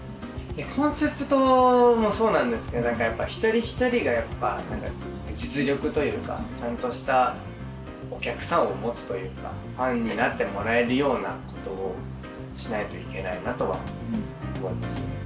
コンセプトもそうなんですけどやっぱ一人一人が実力というかちゃんとしたお客さんを持つというかファンになってもらえるようなことをしないといけないなとは思いますね。